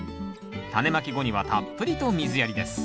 タネまき後にはたっぷりと水やりです